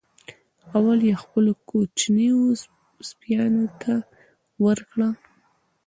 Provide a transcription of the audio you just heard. اول یې خپلو کوچنیو سپیانو ته ورکړه.